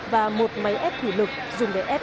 và một máy ép thủ lực dùng để ép